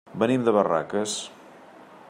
Venim de Barraques.